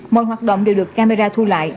mọi hoạt động đều được camera thu lại